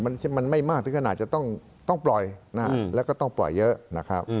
มันไม่มากถึงขนาดจะต้องปล่อยนะฮะแล้วก็ต้องปล่อยเยอะนะครับ